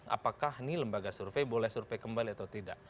apakah ini lembaga survei boleh survei kembali atau tidak